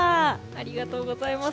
ありがとうございます。